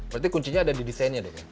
berarti kuncinya ada di desainnya deh